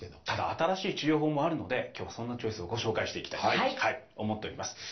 ただ新しい治療法もあるので今日はそんなチョイスをご紹介していきたいと思っております。